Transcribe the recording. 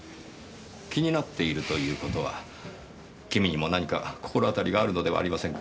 気になっているという事は君にも何か心当たりがあるのではありませんか？